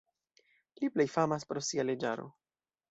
Li plej famas pro sia leĝaro.